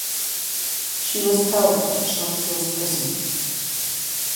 She was held at Chantiers prison.